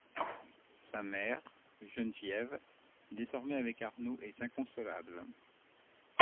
Sa mère, Geneviève, désormais avec Arnaud, est inconsolable.